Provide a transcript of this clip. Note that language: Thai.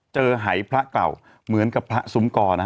หายพระเก่าเหมือนกับพระซุ้มกรนะฮะ